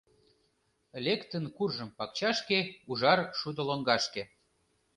Лектын куржым пакчашке Ужар шудо лоҥгашке.